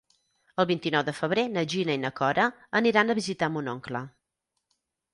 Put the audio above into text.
El vint-i-nou de febrer na Gina i na Cora aniran a visitar mon oncle.